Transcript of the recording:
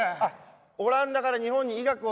オランダから日本に医学を。